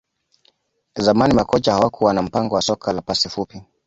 Zamani makocha hawakuwa na mpango wa soka la pasi fupi